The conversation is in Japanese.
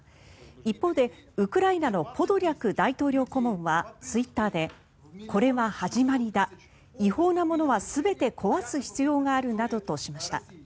一方でウクライナのポドリャク大統領顧問はツイッターでこれは始まりだ違法なものは全て壊す必要があるなどとしました。